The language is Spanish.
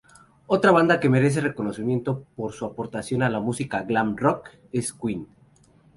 Otra banda que merece reconocimiento por su aportación a la música "glam-rock" es Queen.